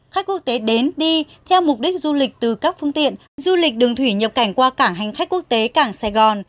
khách quốc tế đến đi theo mục đích du lịch từ các phương tiện du lịch đường thủy nhập cảnh qua cảng hành khách quốc tế cảng sài gòn